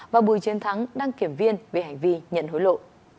và bùi chiến thắng đăng kiểm viên về hành vi nhận hối lộ